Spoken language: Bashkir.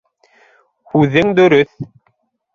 Һүҙең дөрөҫ.